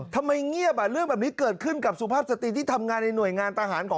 เจิงหวะเธอไวมาก